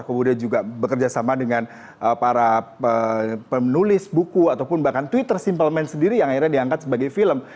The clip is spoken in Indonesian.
kemudian juga bekerja sama dengan para penulis buku ataupun bahkan twitter simplemen sendiri yang akhirnya diangkat sebagai film